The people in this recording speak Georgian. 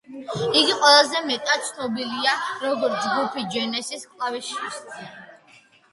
იგი ყველაზე მეტად ცნობილია, როგორც ჯგუფ ჯენესისის კლავიშისტი.